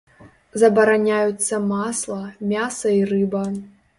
Забараняюцца масла, мяса й рыба.